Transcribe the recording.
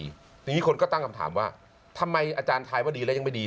ทีนี้คนก็ตั้งคำถามว่าทำไมอาจารย์ทายว่าดีแล้วยังไม่ดี